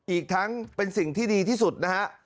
อีกทั้งเป็นสิ่งที่ดีที่สุดนะฮะ